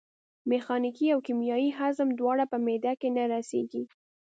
میخانیکي او کیمیاوي هضم دواړه په معدې کې نه رسېږي.